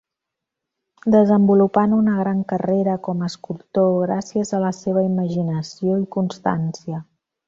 Desenvolupant una gran carrera com escultor gràcies a la seva imaginació i constància.